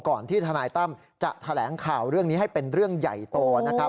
ที่ทนายตั้มจะแถลงข่าวเรื่องนี้ให้เป็นเรื่องใหญ่โตนะครับ